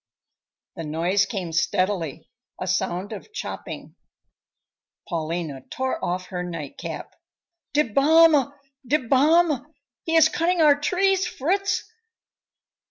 The noise came steadily, a sound of chopping. Paulina tore off her night cap. "Die Bäume, die Bäume! He is cutting our trees, Fritz!"